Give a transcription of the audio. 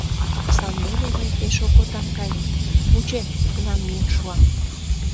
Сандене мый пеш окотан каем: вучем, кунам миен шуам...